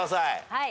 はい。